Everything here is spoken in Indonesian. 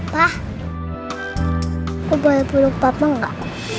pa kok boleh peluk papa gak